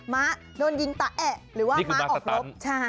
ม้าโดนยิงตะแอะหรือว่าม้าออกรบ